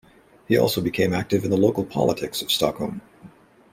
He also became active in the local politics of Stockholm.